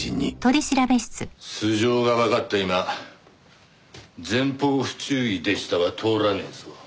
素性がわかった今前方不注意でしたは通らねえぞ。